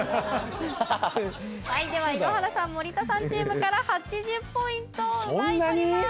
ハハハハはいでは井ノ原さん森田さんチームから８０ポイントを奪い取ります